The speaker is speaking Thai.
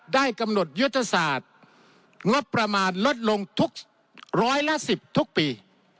ได้กำหนดยุทธศาสตร์งบประมาณลดลงทุกร้อยละ๑๐ทุกปี